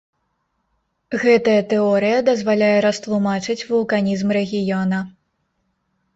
Гэтая тэорыя дазваляе растлумачыць вулканізм рэгіёна.